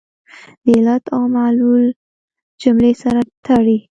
د علت او معلول جملې سره تړي.